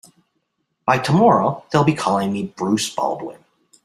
By tomorrow they'll be calling me Bruce Baldwin.